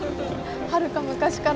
はるか昔から。